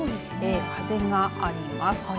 風があります。